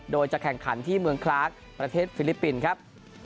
โดยจะแข่งขันที่เมืองคลากประเทศฟิลิปปินส์ครับ